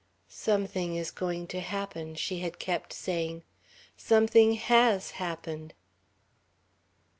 "Something is going to happen," she had kept saying. "Something has happened...."